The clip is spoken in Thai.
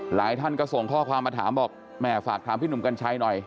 หลายท่านก็ส่งข้อความมาถามบอกแม่ฝากถามพี่หนุ่มกัญชัยหน่อย